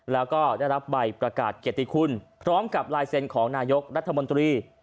แล้วก็ได้รับใบประกาศเกียรติคุณพร้อมกับลายเซ็นต์ของนายกรัฐมนตรี